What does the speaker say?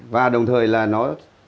và đồng thời là nó